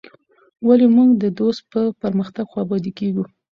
ولي موږ د دوست په پرمختګ خوابدي کيږو.